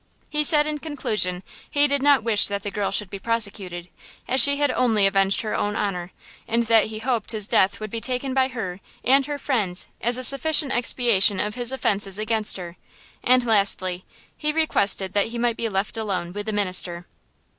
He said in conclusion he did not wish that the girl should be prosecuted, as she had only avenged her own honor; and that he hoped his death would be taken by her and her friends as a sufficient expiation of his offenses against her; and, lastly, he requested that he might be left alone with the minister.